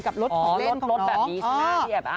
กับรถของเล่นของน้องอ๋อรถแบบนี้สนานเย็บอ๋อ